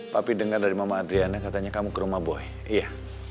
papi denger dari mama adriana katanya kamu ke rumah boy iya